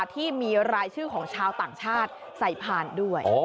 ที่มีรายชื่อของชาวต่างชาติใส่ผ่านด้วย